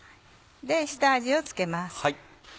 下味を付けます。